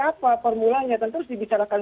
apa formulanya tentu dibicarakan